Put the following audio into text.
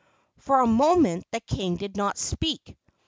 For a moment the king did not speak.